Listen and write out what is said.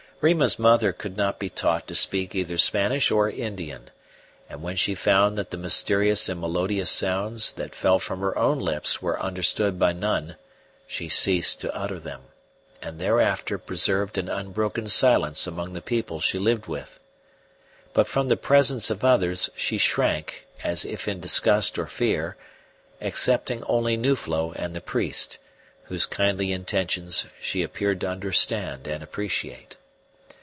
Rima's mother could not be taught to speak either Spanish or Indian; and when she found that the mysterious and melodious sounds that fell from her own lips were understood by none, she ceased to utter them, and thereafter preserved an unbroken silence among the people she lived with. But from the presence of others she shrank, as if in disgust or fear, excepting only Nuflo and the priest, whose kindly intentions she appeared to understand and appreciate.